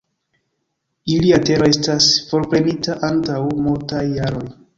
Ilia tero estas forprenita antaŭ multaj jaroj.